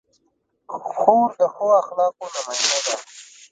خور د ښو اخلاقو نماینده ده.